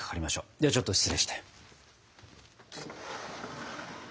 ではちょっと失礼して。